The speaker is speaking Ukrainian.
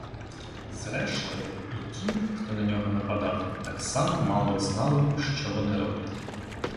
Зрештою й ті, хто на нього нападав, так само мало знали, що вони роблять.